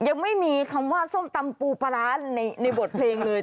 ยังไม่มีคำว่าส้มตำปูปลาร้าในบทเพลงเลย